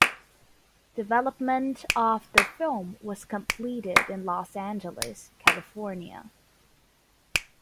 Development of the film was completed in Los Angeles, California.